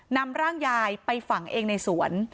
นำร่างยายไปฝังเองในสวน